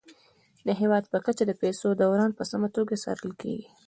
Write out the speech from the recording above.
د هیواد په کچه د پيسو دوران په سمه توګه څارل کیږي.